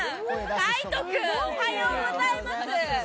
海音君、おはようございます。